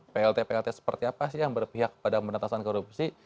plt plt seperti apa sih yang berpihak pada penetasan korupsi